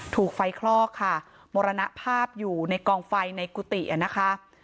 ถูกไฟคลอกค่ะมรณภาพอยู่ในกองไฟในกุฏิอ่ะนะคะ